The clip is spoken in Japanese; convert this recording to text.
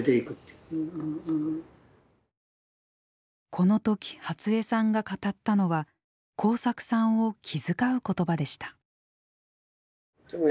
この時初江さんが語ったのは耕作さんを気遣う言葉でした。